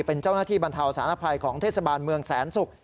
เป็นเจ้าหน้าที่บรรเทาสารภัยของเทศบาลเมืองแสนศุกร์